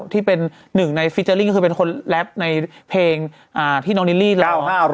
ที่เป็นหนึ่งในฟิเจอร์ลิ่งก็คือเป็นคนแรปในเพลงที่น้องนิลลี่เล่า